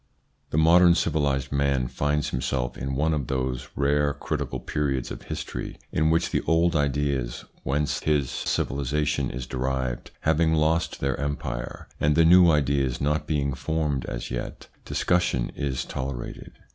The modern civilised man finds himself in one of those rare critical periods of history in which the old ideas, whence his civilisation is derived, having lost their empire, and the new ideas not being formed as yet, discussion is tolerated.